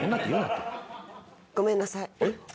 ごめんなさい。